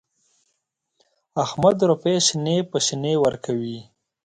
احمد روپۍ شنې په شنې ورکوي.